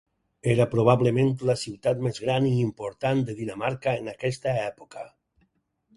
Era probablement la ciutat més gran i important de Dinamarca en aquesta època.